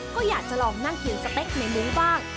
ก็อยากจะลองนั่งกินสเต็กในมุ้งบ้าง